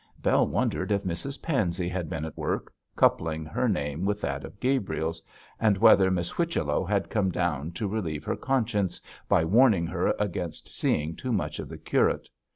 Bell wondered if Mrs Pansey had been at work coupling her name with that of Gabriel's, and whether Miss Whichello had come down to relieve her conscience by warning her against seeing too much of the curate.